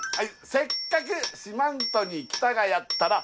「せっかく四万十に来たがやったら」